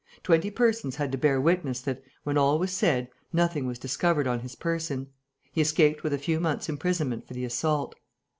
Twenty persons had to bear witness that, when all was said, nothing was discovered on his person. He escaped with a few months' imprisonment for the assault.